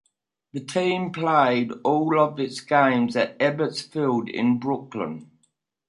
The team played all of its games at Ebbets Field in Brooklyn.